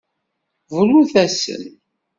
Brut-asen.